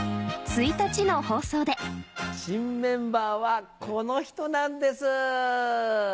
１日の放送で新メンバーはこの人なんです。